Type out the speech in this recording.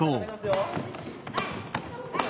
はい！